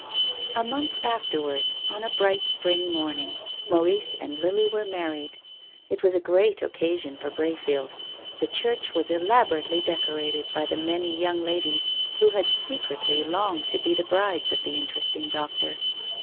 A month afterwards, on a bright spring morn ing, Maurice and Lily were married. It was a great occasion for Brayfield. The church was elaborately decorated by the many young ladies who had secretly longed to be the brides of the interesting doctor.